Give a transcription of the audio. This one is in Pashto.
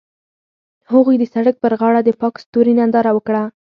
هغوی د سړک پر غاړه د پاک ستوري ننداره وکړه.